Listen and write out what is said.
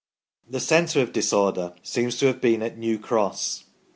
". The centre of disorder seems to have been at New Cross.